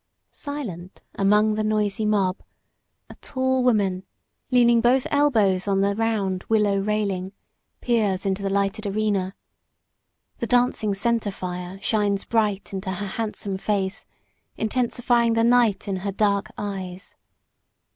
Silent among the noisy mob, a tall woman, leaning both elbows on the round willow railing, peers into the lighted arena. The dancing center fire shines bright into her handsome face, intensifying the night in her dark eyes.